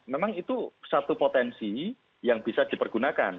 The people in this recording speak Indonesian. memang itu satu potensi yang bisa dipergunakan